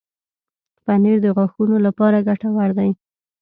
پنېر د غاښونو لپاره ګټور دی.